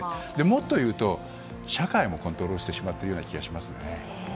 もっと言うと社会もコントロールしてしまうような気がしますね。